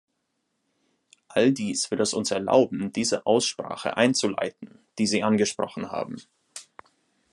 All dies wird es uns erlauben, diese Aussprache einzuleiten, die Sie angesprochen haben.